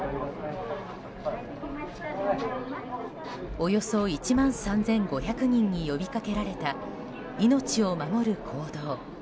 およそ１万３５００人に呼びかけられた命を守る行動。